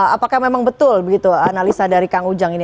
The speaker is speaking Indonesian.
apakah memang betul begitu analisa dari kang ujang ini